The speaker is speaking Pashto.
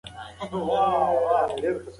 د خوښۍ لامل ګرځیدل د ماشومانو د پلار کار دی.